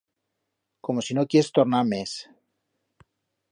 Como si no quiers tornar mes!